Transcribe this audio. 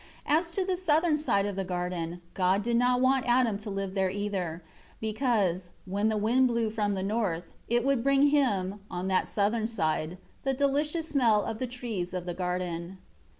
6 As to the southern side of the garden, God did not want Adam to live there either; because, when the wind blew from the north, it would bring him, on that southern side, the delicious smell of the trees of the garden.